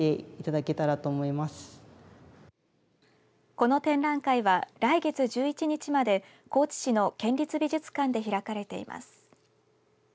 この展覧会は来月１１日まで高知市の県立美術館で開かれています。